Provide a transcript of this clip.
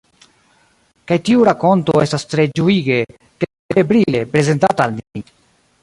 Kaj tiu rakonto estas tre ĝuige, kelkfoje brile, prezentata al ni.